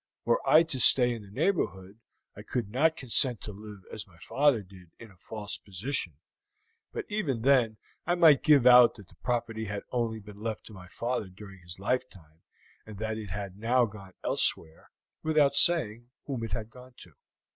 Were I to stay in the neighborhood I could not consent to live as my father did, in a false position; but even then I might give out that the property had only been left to my father during his lifetime, and that it had now gone elsewhere, without saying whom it had gone to.